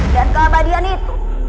dan keabadian itu